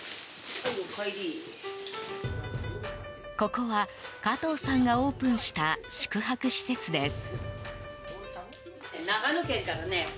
ここは加藤さんがオープンした宿泊施設です。